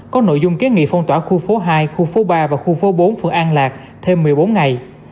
có nội dung kiến nghị phong tỏa khu phố hai khu phố ba và khu phố bốn phường an lạc thêm một mươi bốn ngày